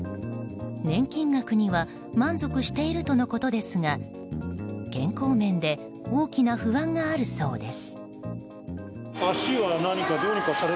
年金額には満足しているとのことですが健康面で大きな不安があるそうです。